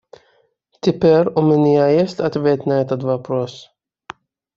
Теперь у меня есть ответ на этот вопрос.